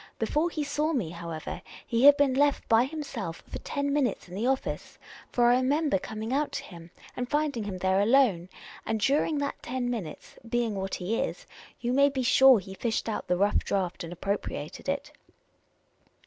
Before he saw me, how ever, he had been left by himself for ten minutes in the office ; for I remember coming out to him and finding him there alone ; and during that ten minutes, being what he is, you may be sure he fished out the rough draft and appropri ated it